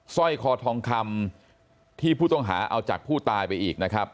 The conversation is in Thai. สร้อยคอทองคำที่ผู้ต้องหาเอาจากผู้ตายไปอีกนะครับ